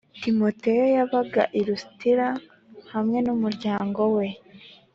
timoteyo yabaga i lusitira hamwe n umuryango we